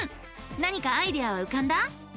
何かアイデアはうかんだ？